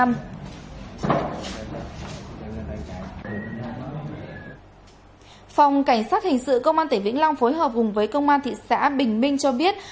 phòng cảnh sát hình sự cơ quan tp hcm phối hợp cùng với cơ quan tp hcm cho biết